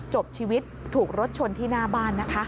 จบชีวิตถูกรถชนที่หน้าบ้านนะคะ